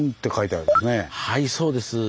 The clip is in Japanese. はいそうです。